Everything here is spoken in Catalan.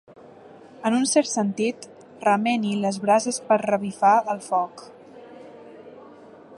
En un cert sentit, remeni les brases per revifar el foc.